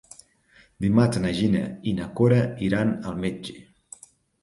Dimarts na Gina i na Cora iran al metge.